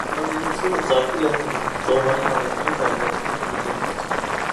Ծովահենությունը ծագել է հնում, ծովային առևտրի զարգացմանը զուգընթաց։